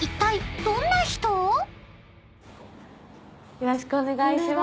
よろしくお願いします。